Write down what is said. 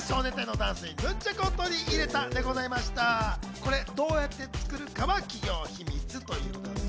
これどうやって作るかは企業秘密ということです。